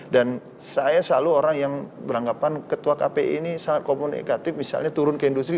dan saya selalu orang yang beranggapan ketua kpi ini sangat komunikatif misalnya turun ke industri